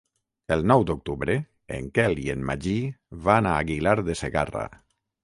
El nou d'octubre en Quel i en Magí van a Aguilar de Segarra.